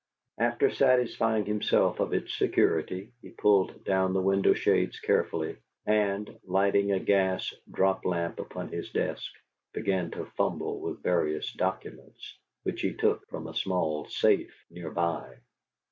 After satisfying himself of its security, he pulled down the window shades carefully, and, lighting a gas drop lamp upon his desk, began to fumble with various documents, which he took from a small safe near by.